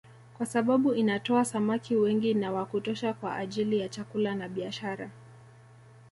Kwa sababu inatoa samaki wengi na wa kutosha kwa ajili ya chakula na biashara